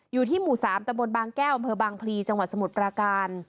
อยู่ที่หมู่๓ตะบนบางแก้วอำเภอบางพลีจังหวัดสมุทรปราการ